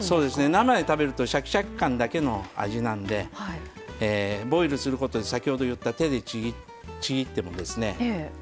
生で食べるとシャキシャキ感だけの味なんでボイルすることで先ほど言った手でちぎってもですね